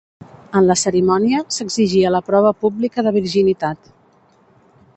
En la cerimònia, s'exigia la prova pública de virginitat.